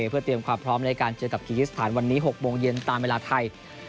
เพื่อเตรียมความพร้อมในการเจอกับกิกิสถานวันนี้๖โมงเย็นตามเวลาไทย